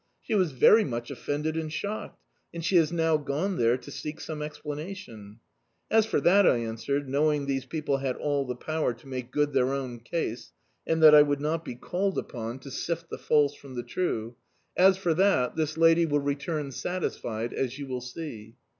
She was very much offended and shocked, and she has now gone there to seek some explanation." "As for that," I answered, knowing these pec^le had all the power to make good their own case, and that I would not be called upon to l335l Dictzcdtv Google The Autobiography of a Super Tramp sift the false from the true — "As for that, this lady will return satisfied, as you will see."